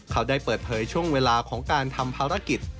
เขาได้เปิดเผยช่วงเวลาของการทำภารกิจ